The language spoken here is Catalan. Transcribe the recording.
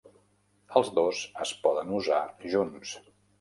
Els dos es poden usar junts.